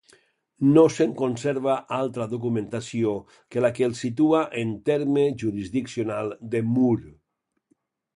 No se'n conserva altra documentació que la que el situa en terme jurisdiccional de Mur.